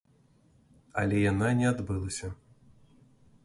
Але яна не адбылася.